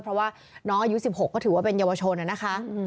เพราะว่าน้องอายุ๑๖ก็ถือว่าเป็นเยาวชนนะคะ